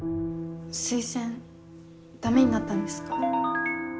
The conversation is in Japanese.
推薦駄目になったんですか？